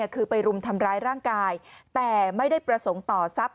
คือไปรุมทำร้ายร่างกายแต่ไม่ได้ประสงค์ต่อทรัพย